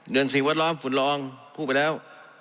เรื่องสิ่งวัดล้อมฝุ่นรองพูดไปแล้ว